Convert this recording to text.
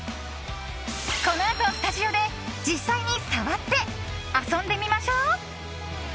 このあとスタジオで実際に触って遊んでみましょう。